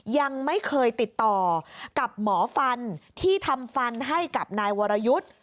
ยังไม่เคยติดต่อกับหมอฟันที่ทำฟันให้กับนายวรยุทธ์